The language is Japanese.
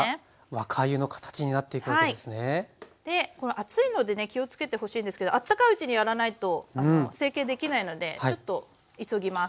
熱いのでね気をつけてほしいんですけどあったかいうちにやらないと成形できないのでちょっと急ぎます。